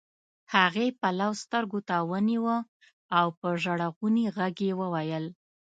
هغې پلو سترګو ته ونيوه او په ژړغوني غږ يې وويل.